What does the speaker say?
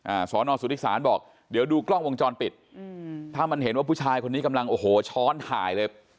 สอนอสุทธิศาลบอกเดี๋ยวดูกล้องวงจรปิดอืมถ้ามันเห็นว่าผู้ชายคนนี้กำลังโอ้โหช้อนถ่ายเลย